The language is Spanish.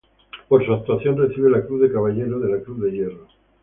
Por su actuación recibe la Cruz de Caballero de la Cruz de Hierro.